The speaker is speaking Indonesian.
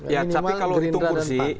ya tapi kalau hitung kursi